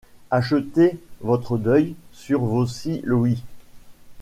Achetez votre deuil sur vos six louis.